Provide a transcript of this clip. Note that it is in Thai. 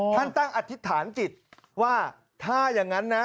ท่านตั้งอธิษฐานจิตว่าถ้าอย่างนั้นนะ